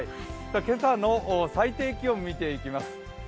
今朝の最低気温を見ていきます。